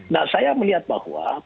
nah saya melihat bahwa